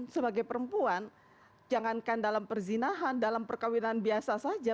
sebagai perempuan jangankan dalam perzinahan dalam perkawinan biasa saja